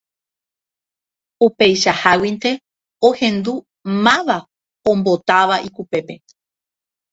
Upeichaháguinte ohendu máva ombotáva ikupépe.